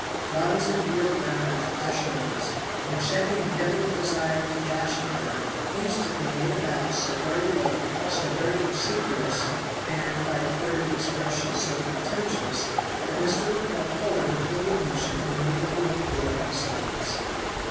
Robinson wheeled round with flashing eyes, and checking an evident desire to dash at them, instantly made a bow so very low, so very obsequious, and, by a furtive expression, so contemptuous, that Mr. Lepel colored with indignation and moved toward the door in silence.